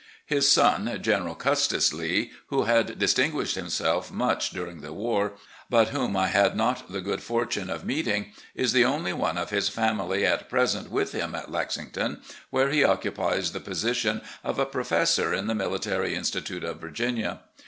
His son, General Custis Lee, who had distinguished himself much during the war, but whom I had not the good fortune of meeting, is the only one of his family at present with him at Lexington, where he occupies the position of a professor in the Military Institute of Virginia.